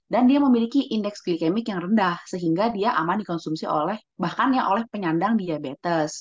dan dia memiliki indeks glicemic yang rendah sehingga dia aman dikonsumsi oleh bahkan ya oleh penyandang diabetes